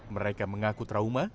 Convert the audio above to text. mereka mengaku trauma